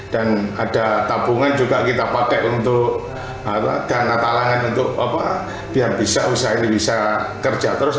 dan ada tabungan juga kita pakai untuk dana talangan untuk biar bisa usaha ini bisa kerja terus